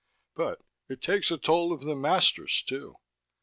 But it takes a toll of the masters, too.